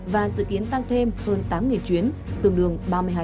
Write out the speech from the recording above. và dự kiến tăng thêm hơn tám chuyến tương đương ba mươi hai